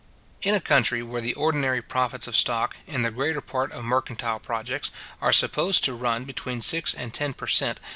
In a country where the ordinary profits of stock, in the greater part of mercantile projects, are supposed to run between six and ten per cent.